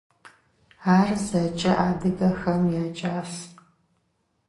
Ар зэкӏэ адыгэхэм якӏас.